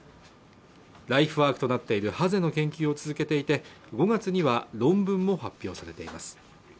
ライフワークとなっているハゼの研究を続けていて５月には論文も発表されています